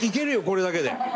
これだけで。